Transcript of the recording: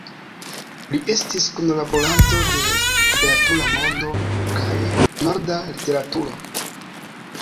Li estis kunlaboranto de "Literatura Mondo" kaj "Norda Literaturo.